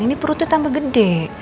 ini perutnya tambah gede